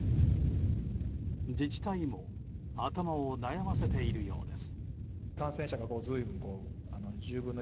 自治体も頭を悩ませているようです。